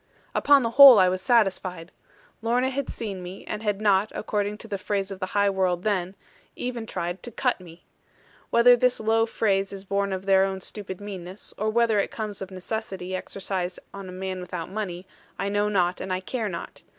Upon the whole I was satisfied. Lorna had seen me, and had not (according to the phrase of the high world then) even tried to 'cut' me. Whether this low phrase is born of their own stupid meanness, or whether it comes of necessity exercised on a man without money, I know not, and I care not.